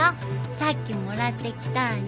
さっきもらってきたんだ。